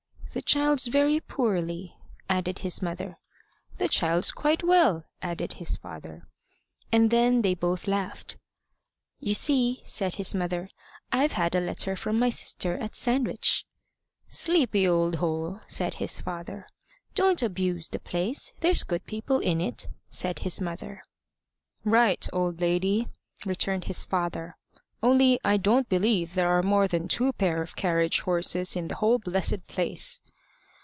"The child's very poorly" added his mother. "The child's quite well," added his father. And then they both laughed. "You see," said his mother, "I've had a letter from my sister at Sandwich." "Sleepy old hole!" said his father. "Don't abuse the place; there's good people in it," said his mother. "Right, old lady," returned his father; "only I don't believe there are more than two pair of carriage horses in the whole blessed place."